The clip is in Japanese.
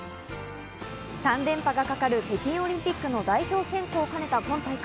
３連覇がかかる北京オリンピックの代表選考を兼ねた今大会。